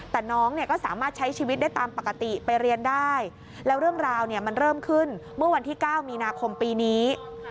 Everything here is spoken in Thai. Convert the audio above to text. แต่น้องเนี่ยก็สามารถใช้ชีวิตได้ตามปกติไปเรียนได้แล้วเรื่องราวเนี่ยมันเริ่มขึ้นเมื่อวันที่๙มีนาคมปีนี้